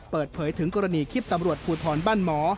เปิดเผยถึงกรณีคลิปตำรวจภูทรบ้านหมอ